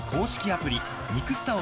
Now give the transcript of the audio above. アプリ